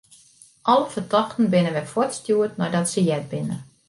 Alle fertochten binne wer fuortstjoerd neidat se heard binne.